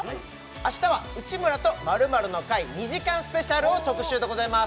明日は「内村と○○の会」２時間スペシャルを特集でございます